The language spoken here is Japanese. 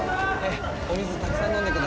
お水たくさん飲んでください。